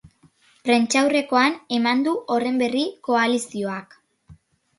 Prentsaurrekoan eman du horren berri koalizioak.